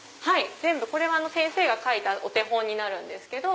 これは先生が描いたお手本になるんですけど。